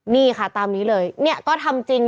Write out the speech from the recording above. นี่ค่ะตามนี้เลยเนี่ยก็ทำจริง